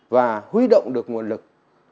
và huy động được nguồn lực